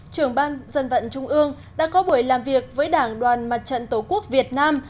trưởng ban dân vận trung ương đã có buổi làm việc với đảng đoàn mặt trận tổ quốc việt nam